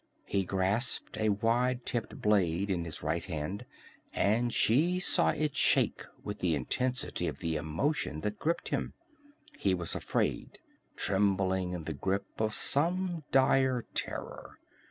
He grasped a wide tipped blade in his right hand, and she saw it shake with the intensity of the emotion that gripped him. He was afraid, trembling in the grip of some dire terror.